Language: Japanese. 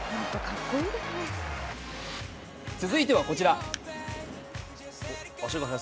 続いてはこちら。